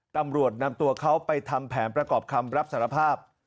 ตำรวจนำตัวเขาไปทำแผนประกอบคำรับสารภาพ